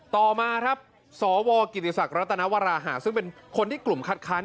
ต่อมาครับสวกิติศักดิรัตนวราหาซึ่งเป็นคนที่กลุ่มคัดค้าน